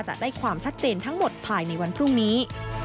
จะได้ความชัดเจนทั้งหมดภายในวันพรุ่งนี้